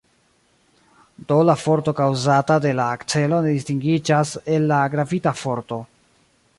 Do la forto kaŭzata de la akcelo ne distingiĝas el la gravita forto.